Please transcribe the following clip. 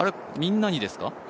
みんなにですか？